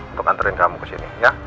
untuk anterin kamu ke sini ya